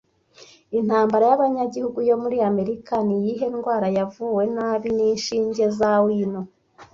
Intambara y'abanyagihugu yo muri Amerika ni iyihe ndwara yavuwe nabi n'inshinge za wino